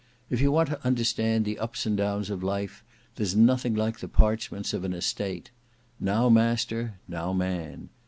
If you want to understand the ups and downs of life, there's nothing like the parchments of an estate. Now master, now man!